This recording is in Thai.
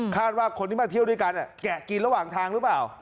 คาดว่าคนที่มาเที่ยวด้วยกันแกะกินระหว่างทางหรือเปล่า